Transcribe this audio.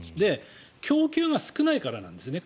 供給が少ないからなんですね